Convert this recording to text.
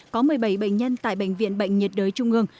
có một mươi bảy bệnh nhân tại bệnh viện bệnh nhiệt đới trung ương